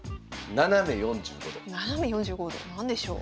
斜め４５度？何でしょう？